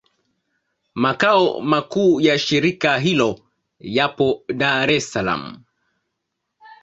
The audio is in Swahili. Makao makuu ya shirika hilo yapo Dar es Salaam.